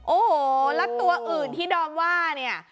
โอ้โหแล้วตัวอื่นที่ดอมว่าเนี่ย